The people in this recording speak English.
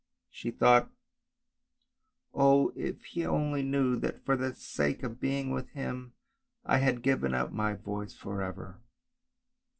She thought, "Oh! if he only knew that for the sake of being with him I had given up my voice for ever!